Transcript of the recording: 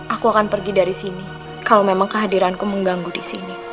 aku akan pergi dari sini kalau memang kehadiranku mengganggu di sini